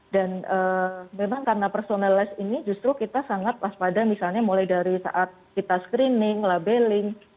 dan memang karena personalize ini justru kita sangat pas pada misalnya mulai dari saat kita screening labelling